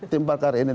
tim pakar ini